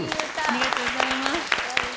ありがとうございます。